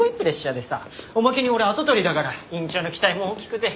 おまけに俺跡取りだから院長の期待も大きくて。